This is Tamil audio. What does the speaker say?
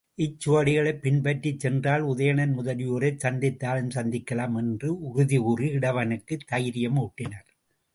இச் சுவடிகளைப் பின்பற்றிச் சென்றால் உதயணன் முதலியோரைச் சந்தித்தாலும் சந்திக்கலாம் என்று உறுதிகூறி, இடவகனுக்குத் தைரிய மூட்டினர்.